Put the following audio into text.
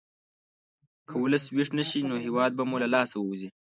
که ولس ویښ نه شي، نو هېواد به مو له لاسه ووځي.